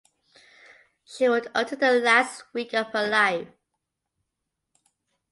She worked until the last week of her life.